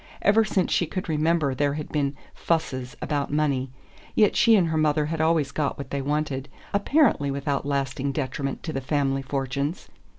Ever since she could remember there had been "fusses" about money; yet she and her mother had always got what they wanted, apparently without lasting detriment to the family fortunes.